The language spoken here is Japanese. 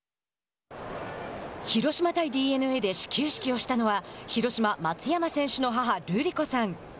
広島対ＤｅＮＡで始球式をしたのは広島、松山選手の母ルリ子さん。